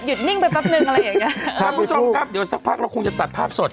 นิ่งไปแป๊บนึงอะไรอย่างเงี้ยท่านผู้ชมครับเดี๋ยวสักพักเราคงจะตัดภาพสด